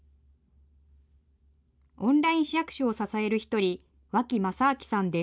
オンライン市役所を支える一人、脇雅昭さんです。